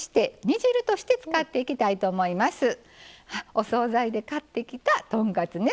お総菜で買ってきた豚カツね